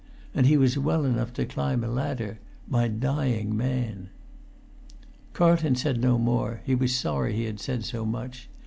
And he was well enough to climb a ladder—my dying man!" Carlton said no more; he was sorry he had said so much.